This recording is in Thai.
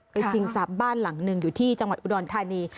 ไปชิงซับบ้านหลังนึงอยู่ที่จังหวัดอุดรทานี